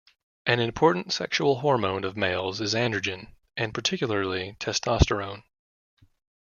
An important sexual hormone of males is androgen, and particularly testosterone.